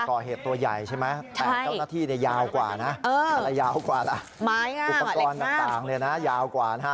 ก่อเหตุตัวใหญ่ใช่ไหมแต่เจ้าหน้าที่เนี่ยยาวกว่านะอุปกรณ์ต่างเนี่ยนะยาวกว่านะ